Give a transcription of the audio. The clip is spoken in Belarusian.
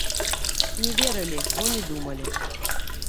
Не верылі, бо не думалі.